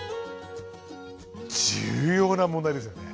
重要な問題ですよね。